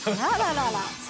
あららら。